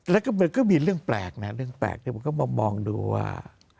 แล้วก็มันก็มีเรื่องแปลกนะเรื่องแปลกที่ผมก็มามองดูว่า